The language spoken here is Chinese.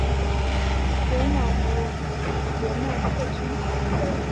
由脑膜炎奈瑟菌。